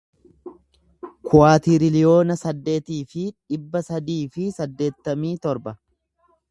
kuwaatiriliyoona saddeetii fi dhibba sadii fi saddeettamii torba